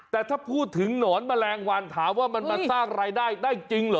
แต่ถ้าพูดถึงหนอนแมลงวันถามว่ามันมาสร้างรายได้ได้จริงเหรอ